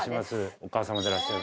お母さまでいらっしゃる。